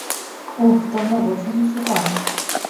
ওহ, তোমরা বোঝোনি সেটা।